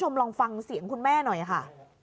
ลองฟังเสียงคุณแม่หน่อยค่ะ